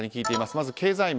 まず経済面。